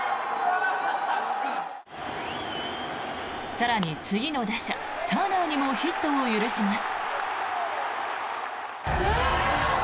更に次の打者、ターナーにもヒットを許します。